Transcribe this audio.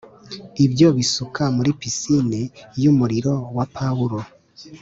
ibyo bisuka muri pisine yumuriro wa puwaro,